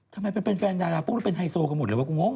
ทำไมเป็นแฟนดาราเป็นไฮโซกันหมดกูเหงา